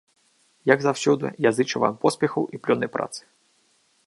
Як заўсёды, я зычу вам поспехаў і плённай працы.